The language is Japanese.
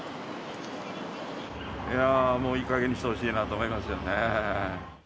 いや、もういいかげんにしてほしいなと思いますよね。